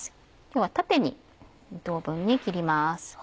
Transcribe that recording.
今日は縦に２等分に切ります。